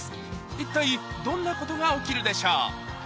一体どんなことが起きるでしょう？